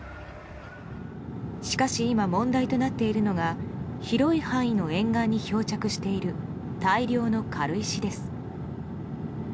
しかし今、問題となっているのが広い範囲の沿岸に漂着している大量の軽石です。